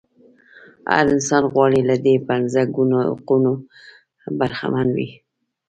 هر انسان غواړي له دې پنځه ګونو حقوقو برخمن وي.